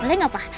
boleh ga pak